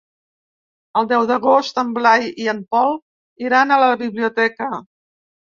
El deu d'agost en Blai i en Pol iran a la biblioteca.